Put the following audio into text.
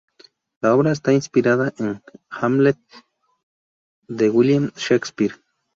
La obra está inspirada en "Hamlet" de William Shakespeare.